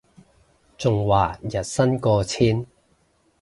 仲話日薪過千